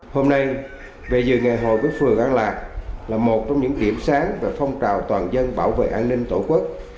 hôm nay về dự ngày hội với phường an lạc là một trong những điểm sáng về phong trào toàn dân bảo vệ an ninh tổ quốc